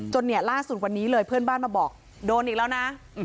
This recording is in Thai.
เนี่ยล่าสุดวันนี้เลยเพื่อนบ้านมาบอกโดนอีกแล้วนะ